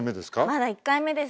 まだ１回目です。